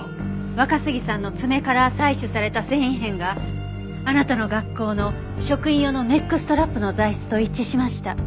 若杉さんの爪から採取された繊維片があなたの学校の職員用のネックストラップの材質と一致しました。